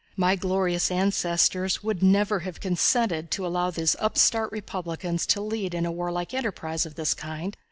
"My glorious ancestors would never have consented to allow these upstart Republicans to lead in a warlike enterprise of this kind.